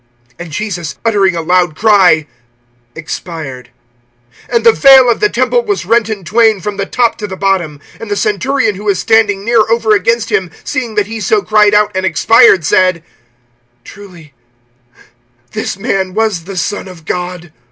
(37)And Jesus, uttering a loud cry, expired. (38)And the vail of the temple was rent in twain, from the top to the bottom. (39)And the centurion who was standing near, over against him, seeing that he so cried out and expired, said: Truly this man was the Son of God.